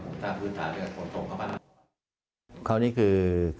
โดยคงสร้างพื้นฐานเคราะห์ของส่งคัปตันาคม